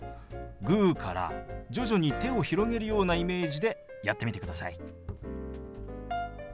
グーから徐々に手を広げるようなイメージでやってみてください。